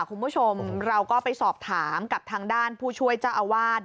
คุณผู้ชมเราก็ไปสอบถามกับทางด้านผู้ช่วยเจ้าอาวาส